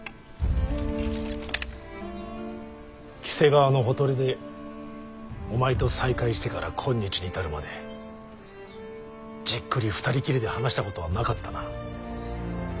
黄瀬川のほとりでお前と再会してから今日に至るまでじっくり２人きりで話したことはなかったな。